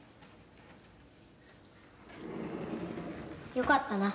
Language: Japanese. よかったな